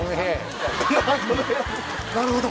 なるほど。